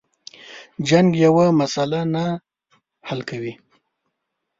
جنگ یوه مسله نه حل کوي.